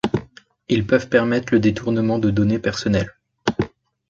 Ils peuvent permettre le détournement de données personnelles.